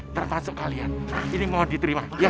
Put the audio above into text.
termasuk kalian ini mohon diterima